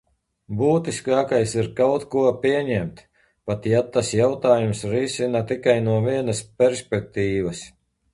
Būtiskākais ir kaut ko pieņemt, pat ja tas jautājumu risina tikai no vienas perspektīvas.